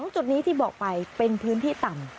จุดนี้ที่บอกไปเป็นพื้นที่ต่ำ